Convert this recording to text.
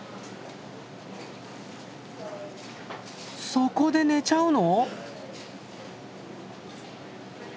そこで寝ちゃうの！？